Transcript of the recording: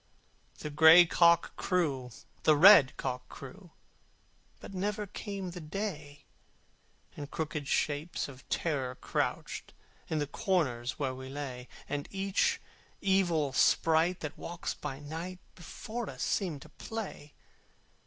The gray cock crew, the red cock crew, But never came the day: And crooked shapes of Terror crouched, In the corners where we lay: And each evil sprite that walks by night Before us seemed to play.